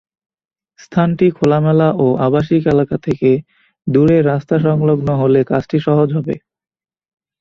স্থানটি খোলামেলা ও আবাসিক এলাকা থেকে দূরে রাস্তাসংলগ্ন হলে কাজটি সহজ হবে।